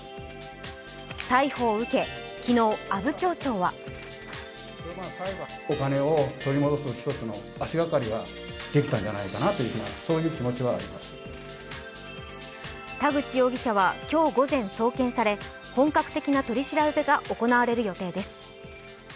逮捕を受け昨日、阿武町長は田口容疑者は今日午前、送検され本格的な取り調べが行われる予定です。